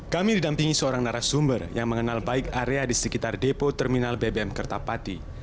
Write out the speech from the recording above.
kami didampingi seorang narasumber yang mengenal baik area di sekitar depo terminal bbm kertapati